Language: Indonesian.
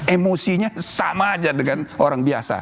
emosinya sama aja dengan orang biasa